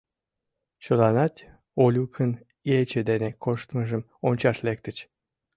Чыланат Олюкын ече дене коштмыжым ончаш лектыч.